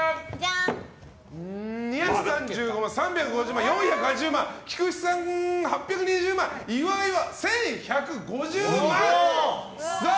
２３５万、８４０万４８０万、菊地さんが８２０万岩井は１１５０万。